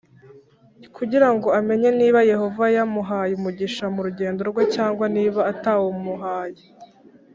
kugira ngo amenye niba Yehova yamuhaye umugisha mu rugendo rwe cyangwa niba atawumuhaye